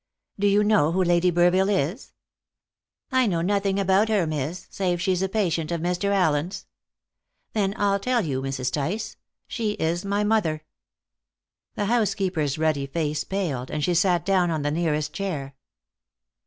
"Do you know who Lady Burville is?" "I know nothing about her, miss, save she's a patient of Mr. Allen's." "Then I'll tell you, Mrs. Tice: she is my mother." The housekeeper's ruddy face paled, and she sat down on the nearest chair.